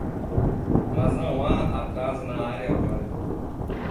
Mas não há atraso na área agora.